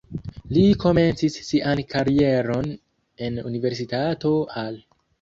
Li komencis sian karieron en Universitato Al.